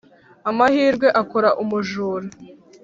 amahirwe akora umujura